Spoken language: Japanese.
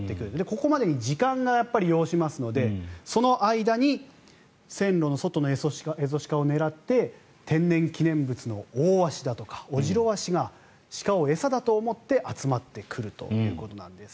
ここまでに時間が要しますのでその間に線路の外のエゾシカを狙って天然記念物のオオワシだとかオジロワシが鹿を餌だと思って集まってくるということなんです。